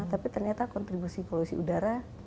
tapi ternyata kontribusi polusi udara